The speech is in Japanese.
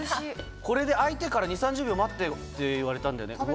これで開いてから２０３０秒待ってって言われたんだよね。